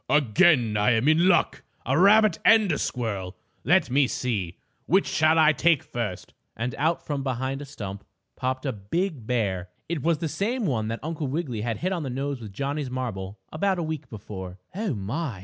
Again I am in luck! A rabbit and a squirrel! Let me see; which shall I take first?" And out from behind a stump popped a big bear. It was the same one that Uncle Wiggily had hit on the nose with Johnnie's marble, about a week before. "Oh, my!"